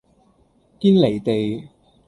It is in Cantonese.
堅離地